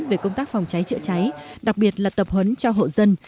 về công tác phòng cháy chữa cháy đặc biệt là tập huấn cho hộ dân